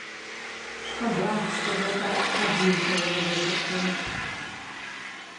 Шкада, што гэта адзінкавыя выпадкі.